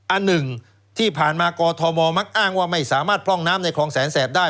อันหนึ่งที่ผ่านมากอทมมักอ้างว่าไม่สามารถพร่องน้ำในคลองแสนแสบได้